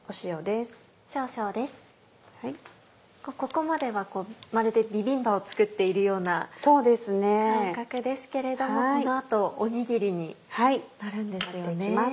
ここまではまるでビビンバを作っているような感覚ですけれどもこの後おにぎりになるんですよね。